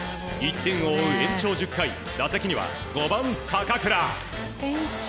１点を追う延長１０回打席には５番、坂倉。